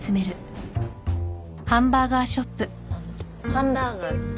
ハンバーガーと。